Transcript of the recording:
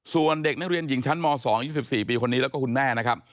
ส่วนเด็กนักเรียนหญิงชั้นม๒๒๔ปีคนนี้แล้วก็คุณแม่นะครับ